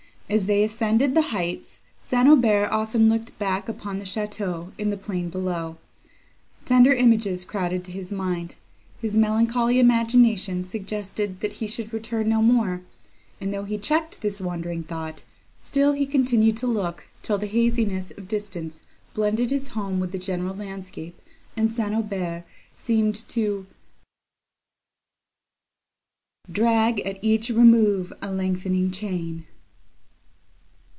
As they ascended the heights, St. Aubert often looked back upon the château, in the plain below; tender images crowded to his mind; his melancholy imagination suggested that he should return no more; and though he checked this wandering thought, still he continued to look, till the haziness of distance blended his home with the general landscape, and St. Aubert seemed to Drag at each remove a lengthening chain.